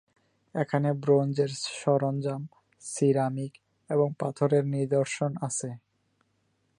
এখানে ব্রোঞ্জের সরঞ্জাম, সিরামিক এবং পাথরের নিদর্শন আছে।